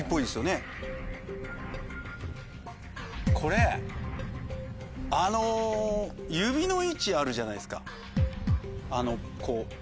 これ指の位置あるじゃないですか。